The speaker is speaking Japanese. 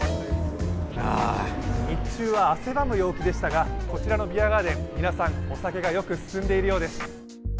日中は汗ばむ陽気でしたがこちらのビアガーデン、皆さんお酒が良く進んでいるようです。